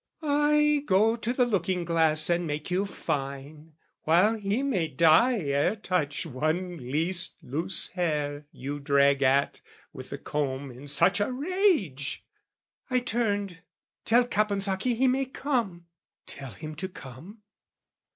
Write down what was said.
"Ay, go to looking glass and make you fine, "While he may die ere touch one least loose hair "You drag at with the comb in such a rage!" I turned "Tell Caponsacchi he may come!" "Tell him to come?